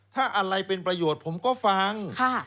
ถ้าอะไรเป็นประโยชน์ผมก็ฟัง